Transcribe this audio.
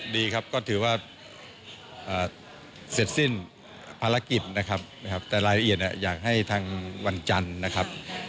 ดีครับก็ถือว่าเสร็จสิ้นภารกิจนะครับแต่รายละเอียดอยากให้ทางวันจันทร์นะครับ